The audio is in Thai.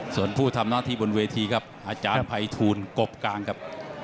ส่วนผู้ทำหน้าที่บนเวทีครับอาจารย์ภัยทูลกบกลางครับ